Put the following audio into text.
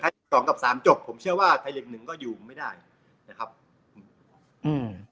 สองกับสามจบผมเชื่อว่าไทยลีกหนึ่งก็อยู่ไม่ได้นะครับอืม